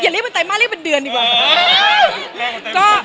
เรียกเป็นไรมาสเรียกเป็นเดือนดีกว่า